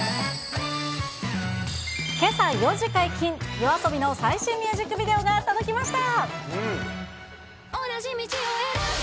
けさ４時解禁、ＹＯＡＳＯＢＩの最新ミュージックビデオが届きました。